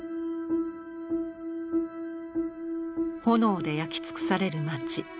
炎で焼き尽くされる町。